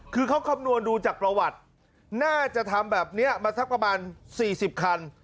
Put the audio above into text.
คือเขาคำนวณดูจากประวัติน่าจะทำแบบนี้มาสักประมาณ๔๐คัน